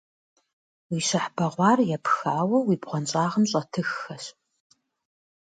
Уи щыхь бэгъуар епхауэ уи бгъуэнщӀагъым щӀэтыххэщ.